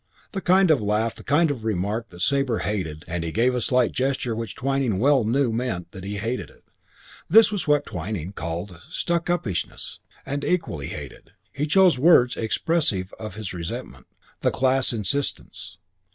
The kind of laugh and the kind of remark that Sabre hated and he gave a slight gesture which Twyning well knew meant that he hated it. This was what Twyning called "stuck uppishness" and equally hated, and he chose words expressive of his resentment, the class insistence.